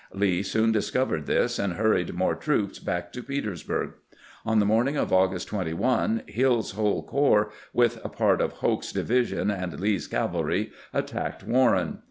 Lee soon discovered this, and' hurried more troops back to Petersburg. On the morning of August 21 Hill's whole corps, with a part of Hoke's division and Lee's cavah y, attacked Warren.